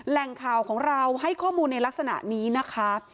แหล่งข่าวของเราให้ข้อมูลในลักษณะนี้นะคะ